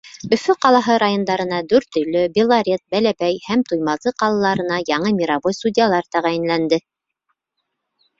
Өфө ҡалаһы райондарына, Дүртөйлө, Белорет, Бәләбәй һәм Туймазы ҡалаларына яңы мировой судьялар тәғәйенләнде.